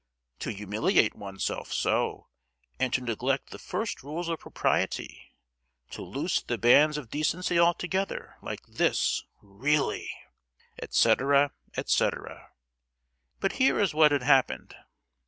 "To humiliate oneself so, and to neglect the first rules of propriety! To loose the bands of decency altogether like this, really!" etc., etc. But here is what had happened.